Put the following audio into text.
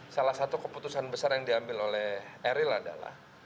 salah satu keputusan besar yang diambil oleh eril adalah